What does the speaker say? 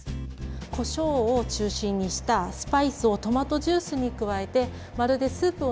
こしょうを中心にしたスパイスをトマトジュースに加えてまるでスープを